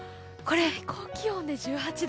最高気温で１８度？